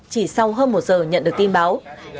chỉ sau hơn một giờ nhận được tin báo